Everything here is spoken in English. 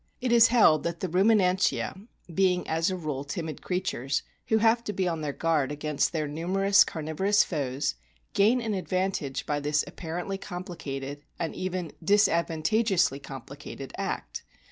It is held that the Ruminantia, being as a rule timid creatures, who have to be on their guard against their numerous carnivorous foes, gain an advantage by this apparently complicated and even disadvantageously complicated act.